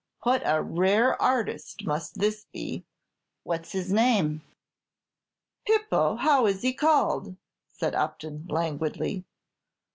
What a rare artist must this be! What's his name?" "Pipo, how is he called?" said Upton, languidly.